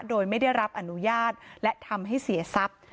โดยไม่ได้รับอนุญาตและทำให้เสียทรัพย์